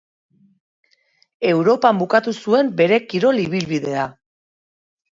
Europan bukatu zuen bere kirol-ibilbidea.